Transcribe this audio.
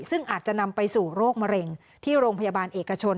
ซึ่งอาจจะนำไปสู่โรคมะเร็งที่โรงพยาบาลเอกชน